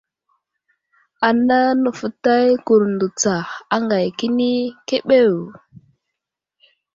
Ana nəfətay kurndo tsa aŋgay kəni keɓew.